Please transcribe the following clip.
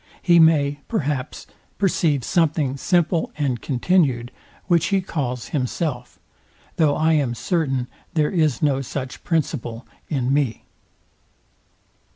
He may, perhaps, perceive something simple and continued, which he calls himself; though I am certain there is no such principle in me.